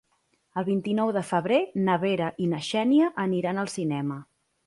El vint-i-nou de febrer na Vera i na Xènia aniran al cinema.